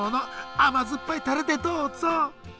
甘酸っぱいタレでどうぞ。